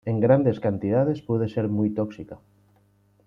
En grandes cantidades puede ser muy tóxica.